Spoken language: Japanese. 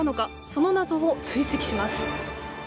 その謎を追跡します。